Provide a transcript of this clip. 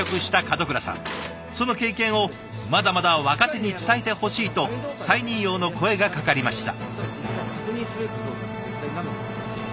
その経験をまだまだ若手に伝えてほしいと再任用の声がかかりました。